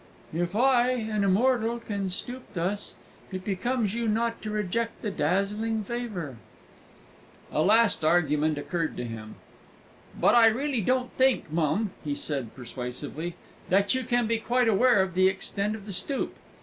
"If I an immortal can stoop thus, it becomes you not to reject the dazzling favour." A last argument occurred to him. "But I reelly don't think, mum," he said persuasively, "that you can be quite aware of the extent of the stoop.